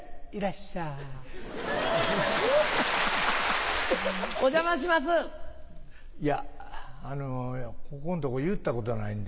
いらっしゃい。